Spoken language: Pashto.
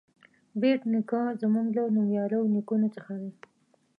بېټ نیکه زموږ له نومیالیو نیکونو څخه دی.